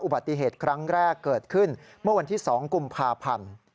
อุบัติเหตุครั้งแรกเกิดขึ้นเมื่อวันที่๒กุมภาพันธ์